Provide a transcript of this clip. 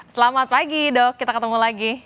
selamat pagi dok kita ketemu lagi